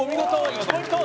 １ポイント！